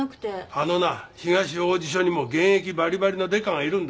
あのな東王子署にも現役バリバリの刑事がいるんだ。